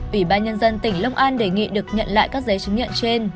ủy ban nhân dân tỉnh long an đề nghị được nhận lại các giấy chứng nhận trên